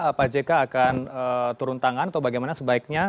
apa jk akan turun tangan atau bagaimana sebaiknya